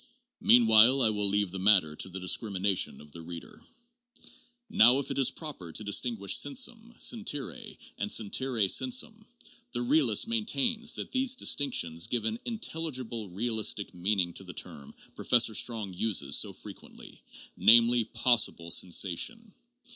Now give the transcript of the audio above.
Meanwhile I will leave the matter to the discrimina tion of the reader. Now if it is proper to distinguish sensum, sentire and sentire sensum, the realist maintains that these distinctions give an in telligible realistic meaning to the term Professor Strong uses so frequently, namely, 'possible sensation.'